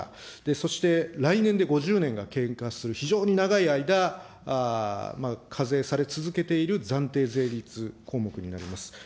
そして来年で５０年が経過する、非常に長い間、課税され続けている暫定税率項目になります。